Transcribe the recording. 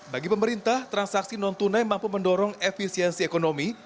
bagi pemerintah transaksi non tunai mampu mendorong efisiensi ekonomi